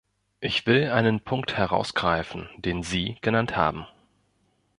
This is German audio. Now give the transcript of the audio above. Ich will einen Punkt herausgreifen, den Sie genannt haben.